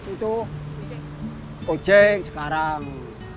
itu ojek sekarang